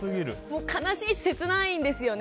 悲しいし切ないんですよね。